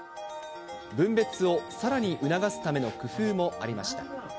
分別をさらに促すための工夫もありました。